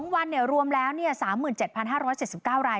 ๒วันเนี่ยรวมแล้ว๓๗๕๗๙ราย